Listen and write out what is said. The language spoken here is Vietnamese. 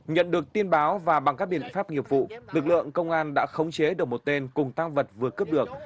nhận được tin báo và bằng các biện pháp nghiệp vụ lực lượng công an đã khống chế được một tên cùng tăng vật vừa cướp được